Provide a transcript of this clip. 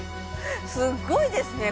すっごいですね